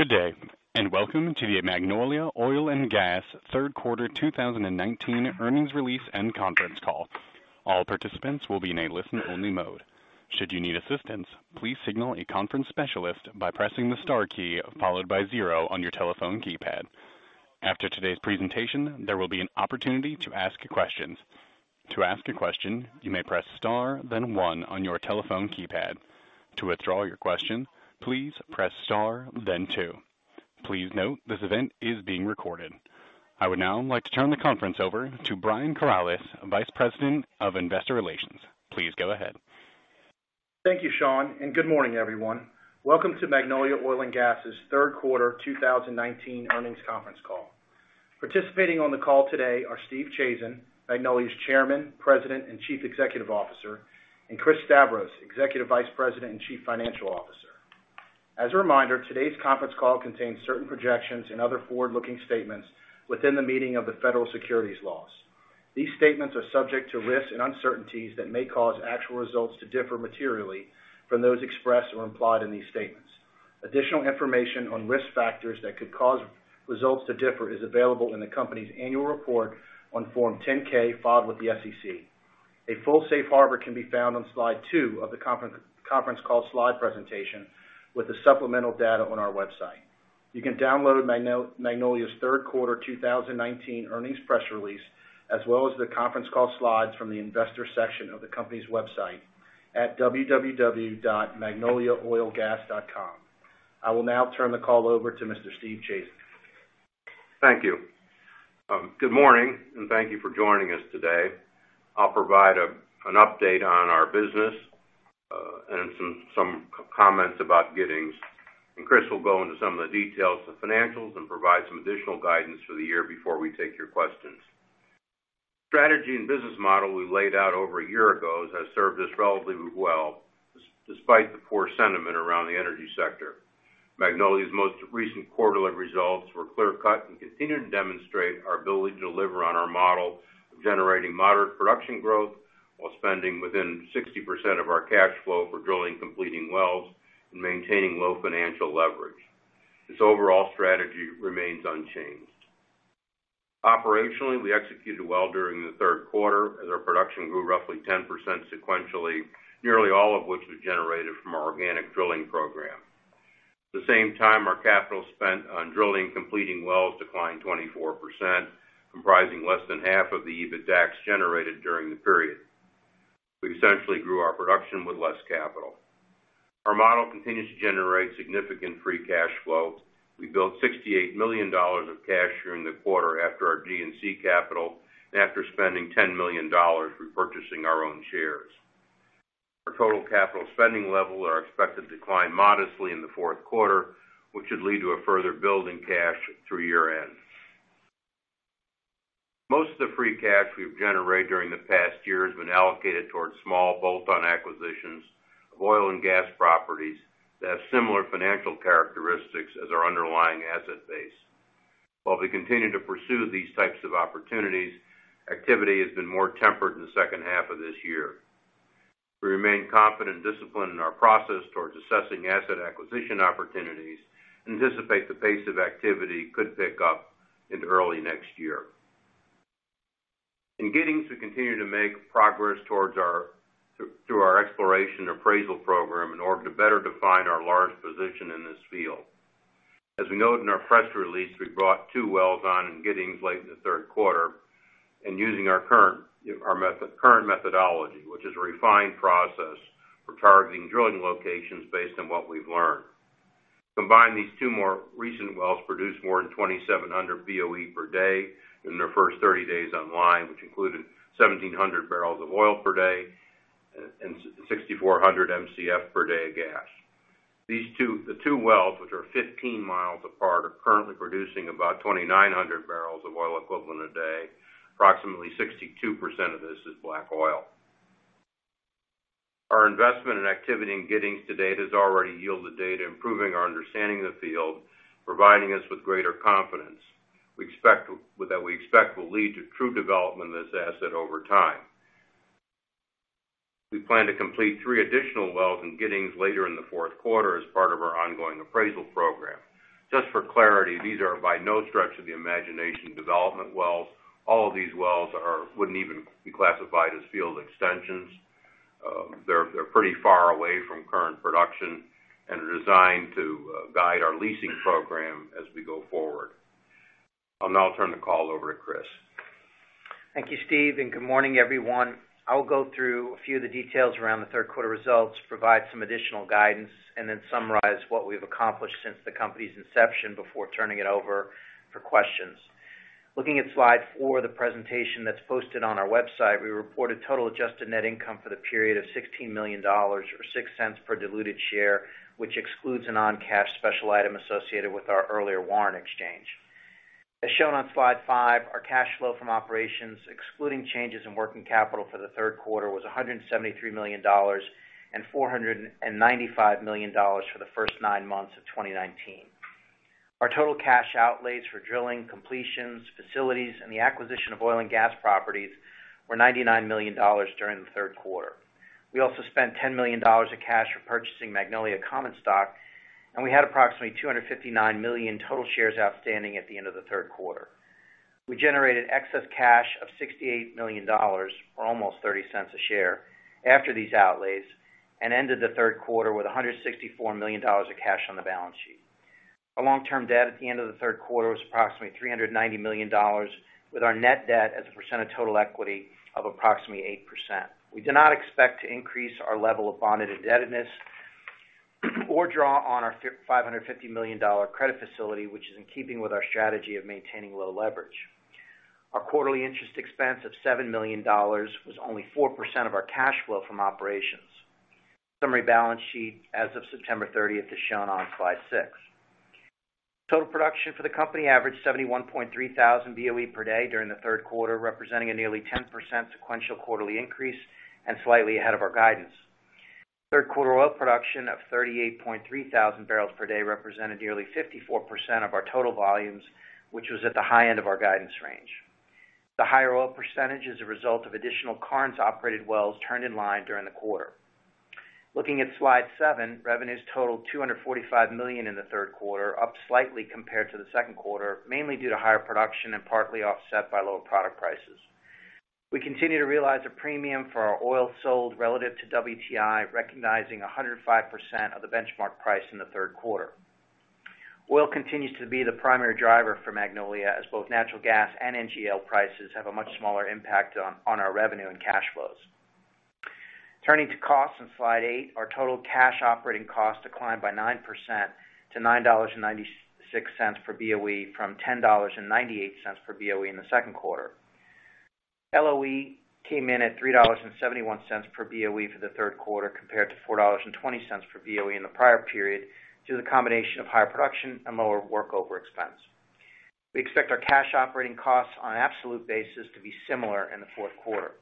Good day, and welcome to the Magnolia Oil & Gas third quarter 2019 earnings release and conference call. All participants will be in a listen-only mode. Should you need assistance, please signal a conference specialist by pressing the star key followed by zero on your telephone keypad. After today's presentation, there will be an opportunity to ask questions. To ask a question, you may press star then one on your telephone keypad. To withdraw your question, please press star then two. Please note this event is being recorded. I would now like to turn the conference over to Brian Corales, Vice President of Investor Relations. Please go ahead. Thank you, Sean, and good morning, everyone. Welcome to Magnolia Oil & Gas' third quarter 2019 earnings conference call. Participating on the call today are Steve Chazen, Magnolia's Chairman, President, and Chief Executive Officer, and Christopher Stavros, Executive Vice President and Chief Financial Officer. As a reminder, today's conference call contains certain projections and other forward-looking statements within the meaning of the federal securities laws. These statements are subject to risks and uncertainties that may cause actual results to differ materially from those expressed or implied in these statements. Additional information on risk factors that could cause results to differ is available in the company's annual report on Form 10-K filed with the SEC. A full safe harbor can be found on Slide two of the conference call slide presentation with the supplemental data on our website. You can download Magnolia's third quarter 2019 earnings press release, as well as the conference call slides from the investor section of the company's website at www.magnoliaoilgas.com. I will now turn the call over to Mr. Steve Chazen. Thank you. Good morning, and thank you for joining us today. I'll provide an update on our business, and some comments about Giddings, and Chris will go into some of the details of the financials and provide some additional guidance for the year before we take your questions. The strategy and business model we laid out over one year ago has served us relatively well, despite the poor sentiment around the energy sector. Magnolia's most recent quarterly results were clear cut and continue to demonstrate our ability to deliver on our model of generating moderate production growth while spending within 60% of our cash flow for drilling and completing wells and maintaining low financial leverage. This overall strategy remains unchanged. Operationally, we executed well during the third quarter, as our production grew roughly 10% sequentially, nearly all of which was generated from our organic drilling program. At the same time, our capital spent on drilling and completing wells declined 24%, comprising less than half of the EBITDAX generated during the period. We essentially grew our production with less capital. Our model continues to generate significant free cash flow. We built $68 million of cash during the quarter after our D&C capital, and after spending $10 million repurchasing our own shares. Our total capital spending level are expected to decline modestly in the fourth quarter, which should lead to a further build in cash through year-end. Most of the free cash we've generated during the past year has been allocated towards small bolt-on acquisitions of oil and gas properties that have similar financial characteristics as our underlying asset base. While we continue to pursue these types of opportunities, activity has been more tempered in the second half of this year. We remain confident and disciplined in our process towards assessing asset acquisition opportunities and anticipate the pace of activity could pick up into early next year. In Giddings, we continue to make progress through our exploration appraisal program in order to better define our large position in this field. As we noted in our press release, we brought two wells on in Giddings late in the third quarter, and using our current methodology, which is a refined process for targeting drilling locations based on what we've learned. Combined, these two more recent wells produced more than 2,700 BOE per day in their first 30 days online, which included 1,700 barrels of oil per day and approximately 6,700 MCF per day of gas. The two wells, which are 15 miles apart, are currently producing about 2,900 barrels of oil equivalent a day. Approximately 62% of this is black oil. Our investment and activity in Giddings to date has already yielded data improving our understanding of the field, providing us with greater confidence. That we expect will lead to true development of this asset over time. We plan to complete three additional wells in Giddings later in the fourth quarter as part of our ongoing appraisal program. Just for clarity, these are by no stretch of the imagination development wells. All of these wells wouldn't even be classified as field extensions. They're pretty far away from current production and are designed to guide our leasing program as we go forward. I'll now turn the call over to Chris. Thank you, Steve. Good morning, everyone. I will go through a few of the details around the third quarter results, provide some additional guidance, then summarize what we've accomplished since the company's inception before turning it over for questions. Looking at Slide four of the presentation that's posted on our website, we reported total adjusted net income for the period of $16 million, or $0.06 per diluted share, which excludes a non-cash special item associated with our earlier warrant exchange. As shown on Slide five, our cash flow from operations, excluding changes in working capital for the third quarter, was $173 million and $495 million for the first nine months of 2019. Our total cash outlays for drilling, completions, facilities, and the acquisition of oil and gas properties were $99 million during the third quarter. We also spent $10 million of cash for purchasing Magnolia common stock, and we had approximately 259 million total shares outstanding at the end of the third quarter. We generated excess cash of $68 million, or almost $0.30 a share after these outlays, and ended the third quarter with $164 million of cash on the balance sheet. Our long-term debt at the end of the third quarter was approximately $390 million, with our net debt as a percent of total equity of approximately 8%. We do not expect to increase our level of bonded indebtedness or draw on our $550 million credit facility, which is in keeping with our strategy of maintaining low leverage. Our quarterly interest expense of $7 million was only 4% of our cash flow from operations. Summary balance sheet as of September 30th is shown on slide six. Total production for the company averaged 71.3 thousand BOE per day during the third quarter, representing a nearly 10% sequential quarterly increase and slightly ahead of our guidance. Third quarter oil production of 38.3 thousand barrels per day represented nearly 54% of our total volumes, which was at the high end of our guidance range. The higher oil percentage is a result of additional Karnes-operated wells turned in line during the quarter. Looking at slide seven, revenues totaled $245 million in the third quarter, up slightly compared to the second quarter, mainly due to higher production and partly offset by lower product prices. We continue to realize a premium for our oil sold relative to WTI, recognizing 105% of the benchmark price in the third quarter. Oil continues to be the primary driver for Magnolia, as both natural gas and NGL prices have a much smaller impact on our revenue and cash flows. Turning to costs in slide eight, our total cash operating costs declined by 9% to $9.96 per BOE from $10.98 per BOE in the second quarter. LOE came in at $3.71 per BOE for the third quarter, compared to $4.20 per BOE in the prior period, due to the combination of higher production and lower workover expense. We expect our cash operating costs on an absolute basis to be similar in the fourth quarter.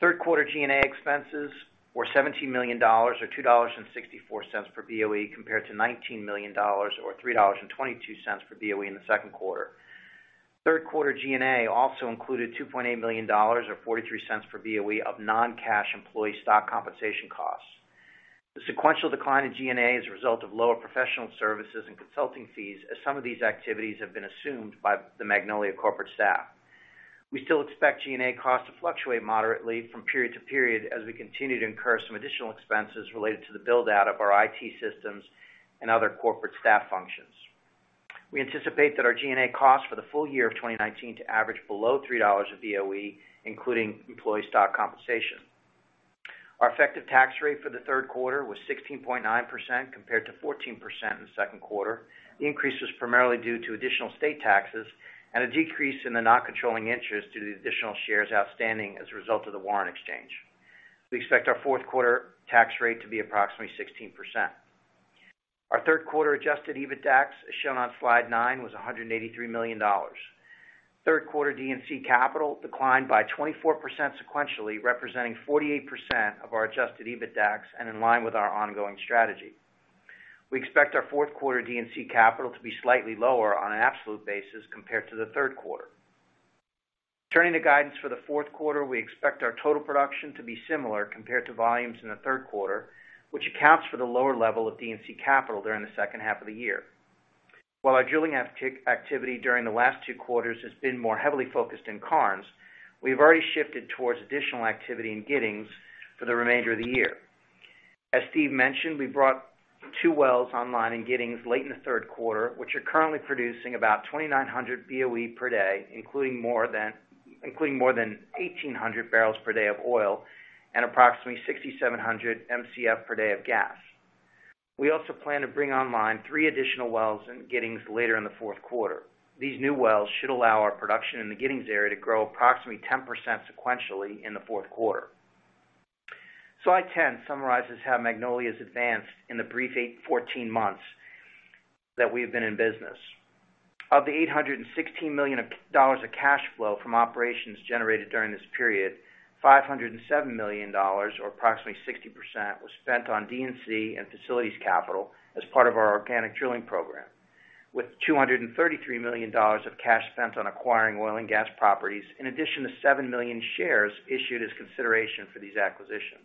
Third quarter G&A expenses were $17 million, or $2.64 per BOE, compared to $19 million or $3.22 per BOE in the second quarter. Third quarter G&A also included $2.8 million, or $0.43 per BOE of non-cash employee stock compensation costs. The sequential decline in G&A is a result of lower professional services and consulting fees, as some of these activities have been assumed by the Magnolia corporate staff. We still expect G&A costs to fluctuate moderately from period to period as we continue to incur some additional expenses related to the build-out of our IT systems and other corporate staff functions. We anticipate that our G&A costs for the full year of 2019 to average below $3 a BOE, including employee stock compensation. Our effective tax rate for the third quarter was 16.9%, compared to 14% in the second quarter. The increase was primarily due to additional state taxes and a decrease in the not controlling interest due to the additional shares outstanding as a result of the warrant exchange. We expect our fourth quarter tax rate to be approximately 16%. Our third quarter adjusted EBITDAX, as shown on slide nine, was $183 million. Third quarter D&C capital declined by 24% sequentially, representing 48% of our adjusted EBITDAX and in line with our ongoing strategy. We expect our fourth quarter D&C capital to be slightly lower on an absolute basis compared to the third quarter. Turning to guidance for the fourth quarter, we expect our total production to be similar compared to volumes in the third quarter, which accounts for the lower level of D&C capital during the second half of the year. While our drilling activity during the last two quarters has been more heavily focused in Karnes, we've already shifted towards additional activity in Giddings for the remainder of the year. As Steve mentioned, we brought two wells online in Giddings late in the third quarter, which are currently producing about 2,900 BOE per day, including more than 1,800 barrels per day of oil and approximately 6,700 MCF per day of gas. We also plan to bring online three additional wells in Giddings later in the fourth quarter. These new wells should allow our production in the Giddings area to grow approximately 10% sequentially in the fourth quarter. Slide 10 summarizes how Magnolia's advanced in the brief 14 months that we've been in business. Of the $816 million of cash flow from operations generated during this period, $507 million, or approximately 60%, was spent on D&C and facilities capital as part of our organic drilling program. With $233 million of cash spent on acquiring oil and gas properties, in addition to 7 million shares issued as consideration for these acquisitions.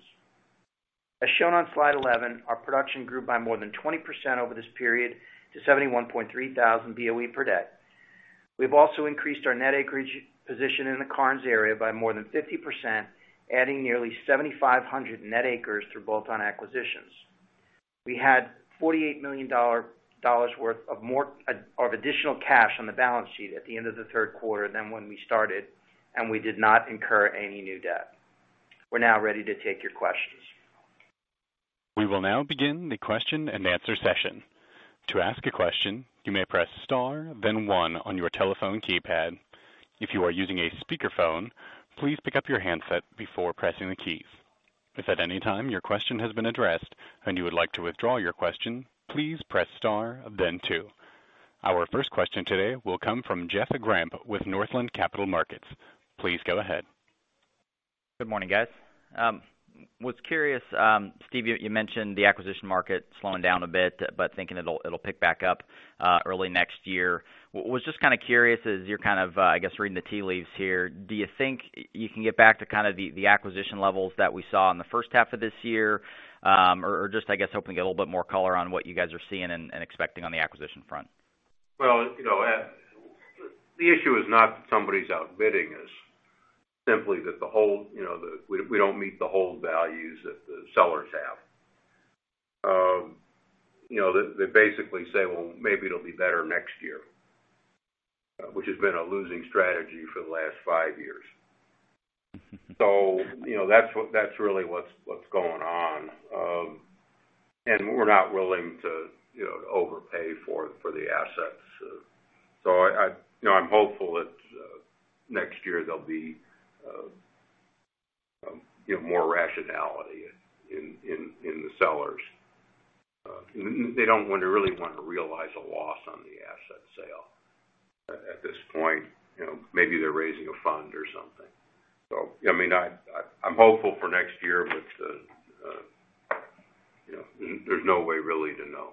As shown on slide 11, our production grew by more than 20% over this period to 71,300 BOE per day. We've also increased our net acreage position in the Karnes area by more than 50%, adding nearly 7,500 net acres through bolt-on acquisitions. We had $48 million worth of additional cash on the balance sheet at the end of the third quarter than when we started, we did not incur any new debt. We're now ready to take your questions. We will now begin the question and answer session. To ask a question, you may press star then one on your telephone keypad. If you are using a speakerphone, please pick up your handset before pressing the keys. If at any time your question has been addressed and you would like to withdraw your question, please press star then two. Our first question today will come from Jeff Grampp with Northland Capital Markets. Please go ahead. Good morning, guys. Was curious, Steve, you mentioned the acquisition market slowing down a bit, but thinking it'll pick back up early next year. Was just kind of curious, as you're reading the tea leaves here, do you think you can get back to the acquisition levels that we saw in the first half of this year? Just, I guess, hoping to get a little bit more color on what you guys are seeing and expecting on the acquisition front. Well, the issue is not that somebody's outbidding us. Simply that we don't meet the hold values that the sellers have. They basically say, "Well, maybe it'll be better next year," which has been a losing strategy for the last five years. That's really what's going on. We're not willing to overpay for the assets. I'm hopeful that next year there'll be more rationality in the sellers. They don't want to really want to realize a loss on the asset sale at this point. Maybe they're raising a fund or something. I'm hopeful for next year, but there's no way really to know.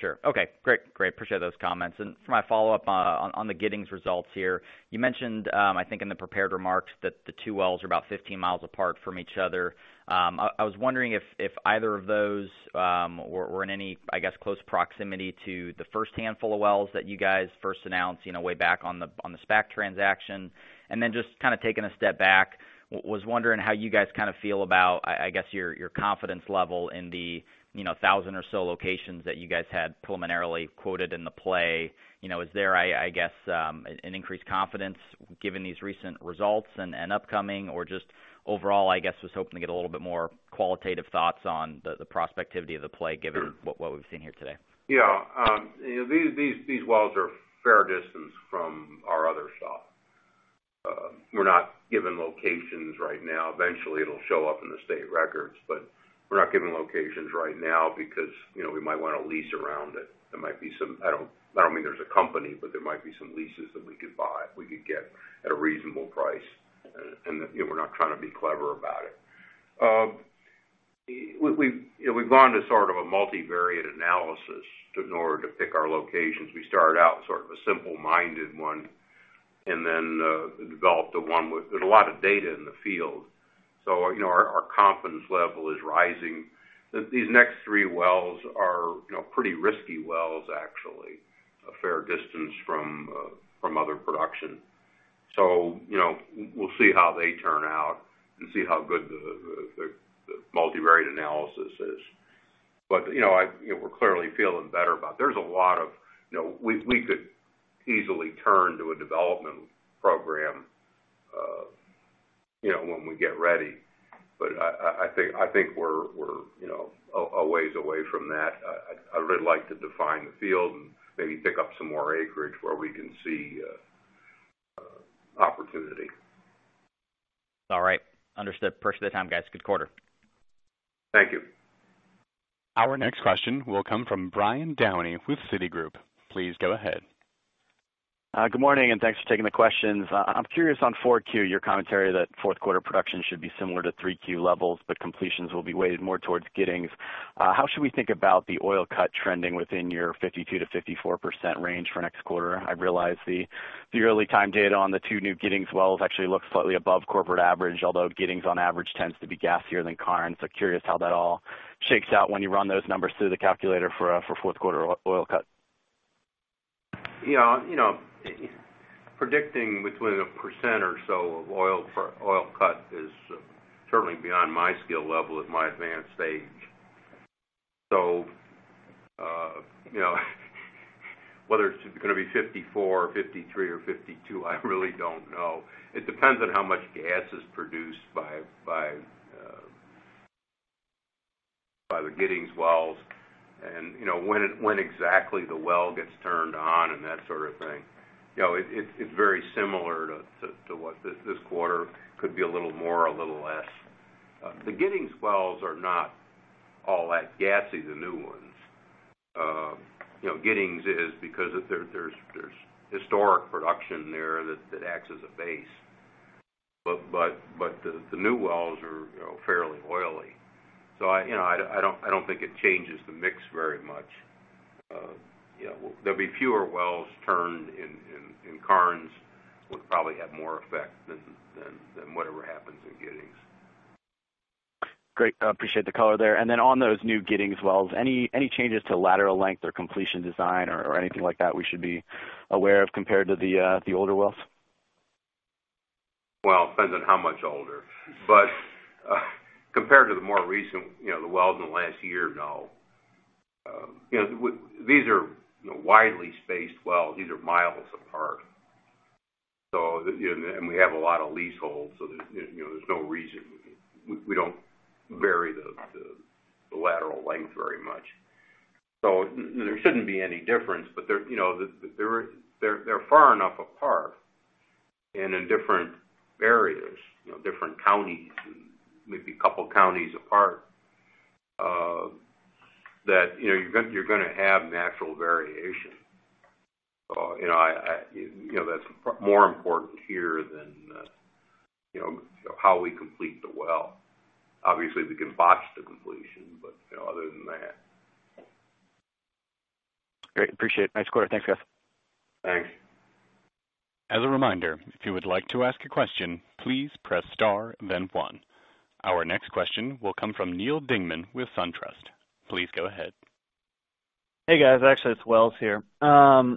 Sure. Okay, great. Appreciate those comments. For my follow-up on the Giddings results here, you mentioned, I think in the prepared remarks, that the two wells are about 15 miles apart from each other. I was wondering if either of those were in any close proximity to the first handful of wells that you guys first announced, way back on the SPAC transaction. Then just taking a step back, was wondering how you guys feel about your confidence level in the 1,000 or so locations that you guys had preliminarily quoted in the play. Is there an increased confidence given these recent results and upcoming? Just overall, I guess, was hoping to get a little bit more qualitative thoughts on the prospectivity of the play, given what we've seen here today. Yeah. These wells are a fair distance from our other shop. We're not given locations right now. Eventually, it'll show up in the state records, but we're not given locations right now because we might want to lease around it. I don't mean there's a company, but there might be some leases that we could buy, we could get at a reasonable price. We're not trying to be clever about it. We've gone to sort of a multivariate analysis in order to pick our locations. We started out with sort of a simple-minded one and then developed the one with there's a lot of data in the field. Our confidence level is rising. These next three wells are pretty risky wells, actually, a fair distance from other production. We'll see how they turn out and see how good the multivariate analysis is. We're clearly feeling better about it. We could easily turn to a development program when we get ready. I think we're a ways away from that. I would like to define the field and maybe pick up some more acreage where we can see opportunity. All right. Understood. Appreciate the time, guys. Good quarter. Thank you. Our next question will come from Brian Downey with Citigroup. Please go ahead. Good morning, and thanks for taking the questions. I'm curious on 4Q, your commentary that fourth quarter production should be similar to 3Q levels, but completions will be weighted more towards Giddings. How should we think about the oil cut trending within your 52%-54% range for next quarter? I realize the yearly time data on the two new Giddings wells actually looks slightly above corporate average, although Giddings on average tends to be gassier than Karnes. Curious how that all shakes out when you run those numbers through the calculator for fourth quarter oil cut. Yeah. Predicting between 1% or so of oil cut is certainly beyond my skill level at my advanced age. Whether it's going to be 54, 53 or 52, I really don't know. It depends on how much gas is produced by the Giddings wells and when exactly the well gets turned on and that sort of thing. It's very similar to what this quarter could be a little more or a little less. The Giddings wells are not all that gassy, the new ones. Giddings is because there's historic production there that acts as a base. The new wells are fairly oily. I don't think it changes the mix very much. There'll be fewer wells turned in Karnes, would probably have more effect than whatever happens in Giddings. Great. Appreciate the color there. On those new Giddings wells, any changes to lateral length or completion design or anything like that we should be aware of compared to the older wells? Well, it depends on how much older. Compared to the more recent wells in the last year, no. These are widely spaced wells. These are miles apart. We have a lot of leaseholds, there's no reason we don't vary the lateral length very much. There shouldn't be any difference. They're far enough apart and in different areas, different counties, and maybe a couple of counties apart That you're going to have natural variation. That's more important here than how we complete the well. Obviously, we can botch the completion, but other than that. Great. Appreciate it. Nice quarter. Thanks, guys. Thanks. As a reminder, if you would like to ask a question, please press star then one. Our next question will come from Neal Dingmann with SunTrust. Please go ahead. Hey, guys. Actually, it's Wells here. You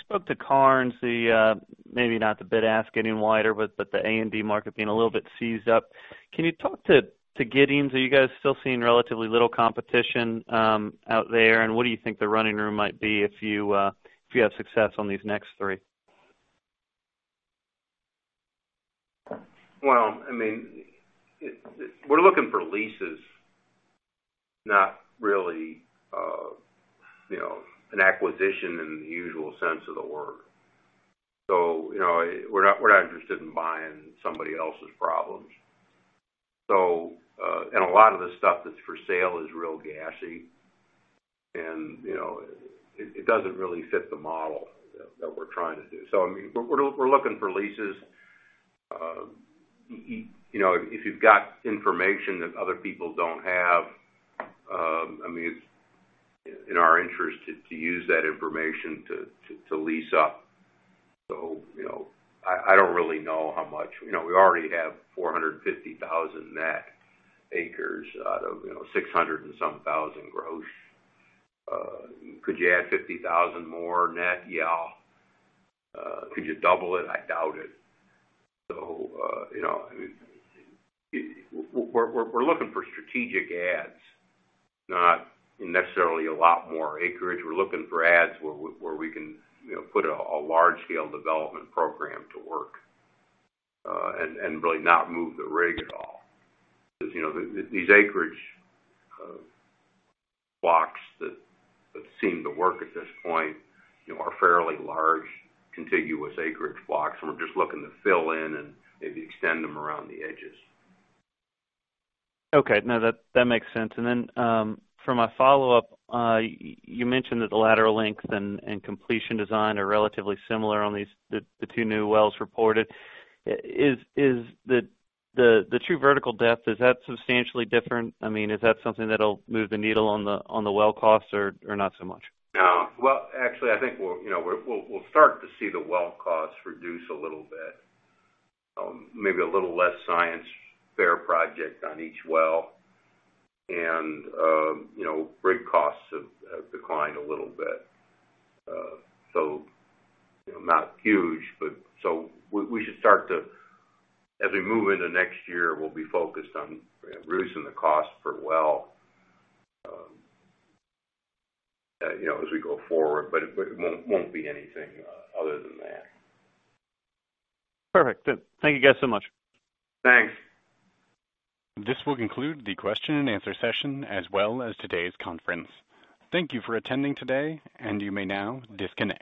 spoke to Karnes, the, maybe not the bid ask getting wider, but the A and B market being a little bit seized up. Can you talk to Giddings? Are you guys still seeing relatively little competition out there? What do you think the running room might be if you have success on these next three? Well, we're looking for leases, not really an acquisition in the usual sense of the word. We're not interested in buying somebody else's problems. A lot of the stuff that's for sale is real gassy. It doesn't really fit the model that we're trying to do. We're looking for leases. If you've got information that other people don't have, it's in our interest to use that information to lease up. I don't really know how much. We already have 450,000 net acres out of 600 and some thousand gross. Could you add 50,000 more net? Yeah. Could you double it? I doubt it. We're looking for strategic adds, not necessarily a lot more acreage. We're looking for adds where we can put a large scale development program to work, and really not move the rig at all. Because these acreage blocks that seem to work at this point are fairly large contiguous acreage blocks, and we're just looking to fill in and maybe extend them around the edges. Okay. No, that makes sense. For my follow-up, you mentioned that the lateral length and completion design are relatively similar on the two new wells reported. Is the true vertical depth, is that substantially different? Is that something that'll move the needle on the well costs or not so much? No. Well, actually, I think we'll start to see the well costs reduce a little bit. Maybe a little less science fair project on each well. Rig costs have declined a little bit. Not huge, but we should start to, as we move into next year, we'll be focused on reducing the cost per well as we go forward. It won't be anything other than that. Perfect. Good. Thank you guys so much. Thanks. This will conclude the question and answer session, as well as today's conference. Thank you for attending today, and you may now disconnect.